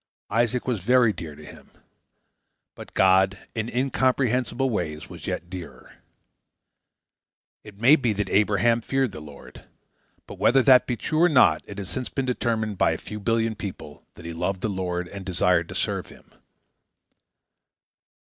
Isaac was very dear to him; but God, in incomprehensible ways, was yet dearer. It may be that Abraham feared the Lord. But whether that be true or not it has since been determined by a few billion people that he loved the Lord and desired to serve him.